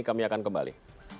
kami akan kembali